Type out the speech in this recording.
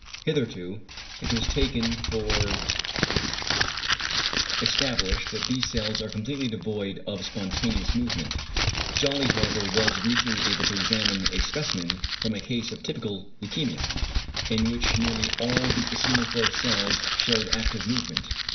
Hitherto it was taken for established that these cells are completely devoid of spontaneous movement. Jolly however was recently able to examine a specimen from a case of typical leukæmia, =in which nearly all the eosinophil cells shewed active movement=.